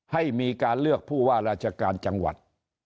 ให้มีการเลือกผู้ว่าราชการจังหวัด